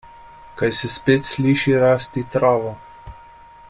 Kaj se spet sliši rasti travo?